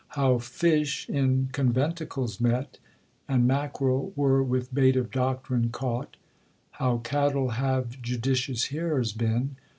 how fish in conventicles met, And mackerel were with bait of doctrine caught: How cattle have judicious hearers been!